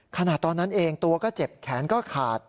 ขนาดตอนนั้นเองตัวก็เจ็บแขนก็ขาด